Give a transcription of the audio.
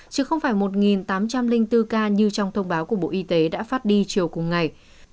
chứ không phải một tám trăm linh bốn ca như trong thông báo của bộ y tế đã phát đi chiều cùng ngày